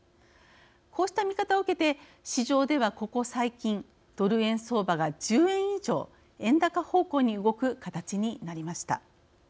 こうした見方を受けて市場ではここ最近、ドル円相場が１０円以上、円高方向に動く形になりました。